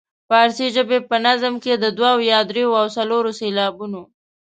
فارسي ژبې په نظم کې د دوو یا دریو او څلورو سېلابونو.